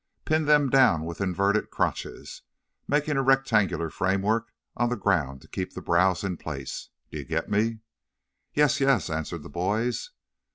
Pin them down with inverted crotches, making a rectangular framework on the ground to keep the browse in place. Do you get me?" "Yes, yes," answered the boys.